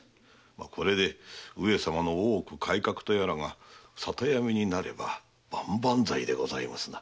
これで上様の大奥改革とやらが沙汰止みになれば万々歳でございますな。